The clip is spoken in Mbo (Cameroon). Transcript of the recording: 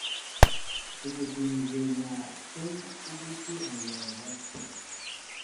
Ú bútí nzhě a naay kə́ŋ ú bútí anyaŋ a hɛ́.